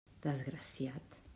Desgraciat!